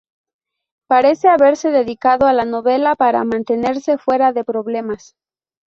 Parece haberse dedicado a la novela para mantenerse fuera de problemas.